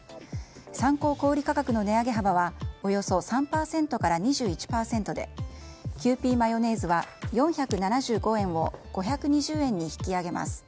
参考小売価格の値上げ幅はおよそ３％から２１％でキユーピーマヨネーズは４７５円を５２０円に引き上げます。